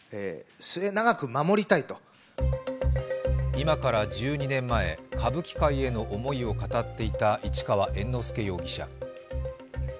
今から１２年前歌舞伎界への思いを語っていた市川猿之助容疑者。